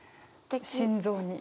心臓に。